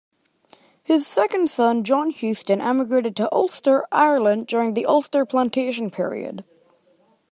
His second son John Houston emigrated to Ulster, Ireland during the Ulster plantation period.